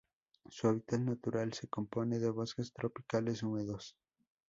Su hábitat natural se compone de bosques tropicales húmedos.